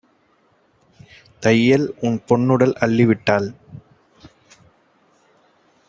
தையல்உன் பொன்னுடல் அள்ளிவிட்டாள்?"